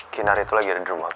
kinar itu lagi ada di rumah